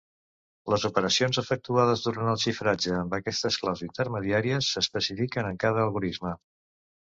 Les operacions efectuades durant el xifratge amb aquestes claus intermediàries s'especifiquen a cada algorisme.